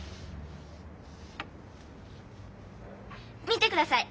見てください。